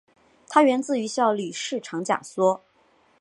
它源自于效率市场假说。